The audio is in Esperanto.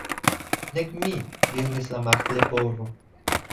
"Nek mi," diris la Martleporo.